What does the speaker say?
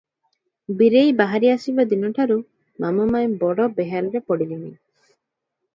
ବୀରେଇ ବାହାରି ଆସିବା ଦିନ ଠାରୁ ମାମୁ ମାଇଁ ବଡ ବେହାଲରେ ପଡିଲେଣି ।